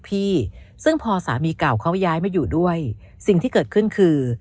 พี่ซึ่งพอสามีเก่าเขาย้ายมาอยู่ด้วยสิ่งที่เกิดขึ้นคือ